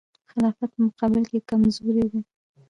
خلافت په مقابل کې کمزوری دی.